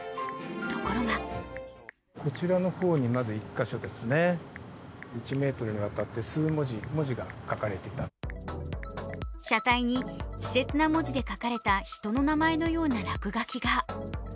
ところが車体に、稚拙な文字で書かれた人の名前のような落書きが。